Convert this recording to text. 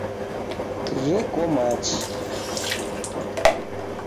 Gheko machi.